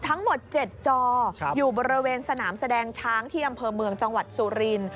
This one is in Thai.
ทั้งหมด๗จออยู่บริเวณสนามแสดงช้างที่อำเภอเมืองจังหวัดสุริน